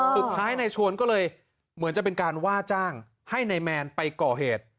สุดท้ายนายชวนก็เลยเหมือนจะเป็นการว่าจ้างให้นายแมนไปก่อเหตุ